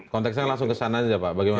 konteksnya langsung ke sana saja pak